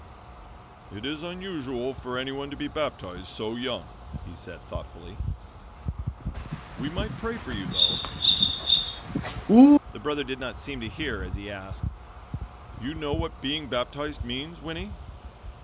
"It is unusual for anyone to be baptized so young," he said, thoughtfully, "We might pray for you though." The brother did not seem to hear as he asked, "You know what being baptized means, Winnie?"